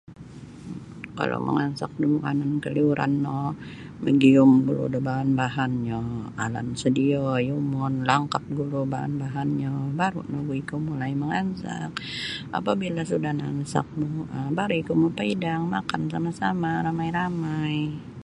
Kalau mangansak da makanan kaliuran no magium gulu da bahan-bahanyo alan sodio yumon langkap gulu bahan-bahanyo baru nogu ikau mulai mangansak apabila suda nansak no um baru ikau mapaidang makan sama-sama ramai-ramai.